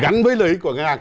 gắn với lợi ích của ngân hàng